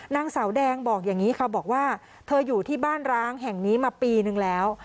นางสาวแดงบอกอย่างนี้ค่ะบอกว่าเธออยู่ที่บ้านร้างแห่งนี้มาปีนึงแล้ว